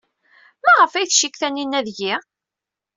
Maɣef ay tcikk Taninna deg-i?